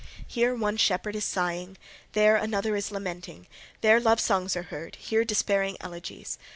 Here one shepherd is sighing, there another is lamenting; there love songs are heard, here despairing elegies.